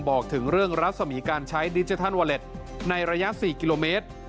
บอกถึงเรื่องรัศมีการใช้ดิจิทัลวอเล็ตในระยะ๔กิโลเมตร